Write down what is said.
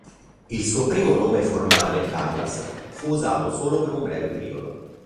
Il suo primo nome formale, Douglas, fu usato solo per un breve periodo.